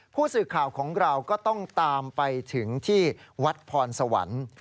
ผู้สื่อข่าวของเราก็ต้องตามไปถึงที่วัดพรสวรรค์